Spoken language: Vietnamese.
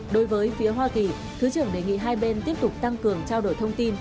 đối với phía hoa kỳ thứ trưởng đề nghị hai bên tiếp tục tăng cường trao đổi thông tin